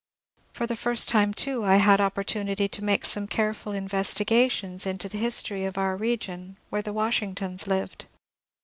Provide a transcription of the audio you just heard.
For the first time too I had opportunity to make some careful investigations into the history of our region, where the Washingtons lived.